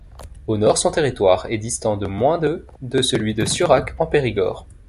Au nord, son territoire est distant de moins de de celui de Siorac-en-Périgord.